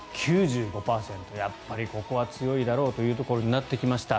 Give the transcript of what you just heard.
やっぱりここは強いだろうというところになってきました。